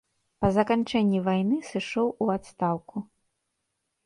Па заканчэнні вайны сышоў у адстаўку.